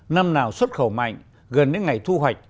năm nào xuất khẩu mạnh gần đến ngày thu hoạch